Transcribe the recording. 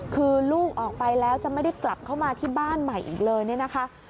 คือลูกออกไปแล้วจะไม่ได้กลับเข้ามาที่บ้านใหม่อีกเลยเนี่ยนะคะ